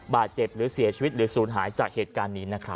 บาดเจ็บหรือเสียชีวิตหรือศูนย์หายจากเหตุการณ์นี้นะครับ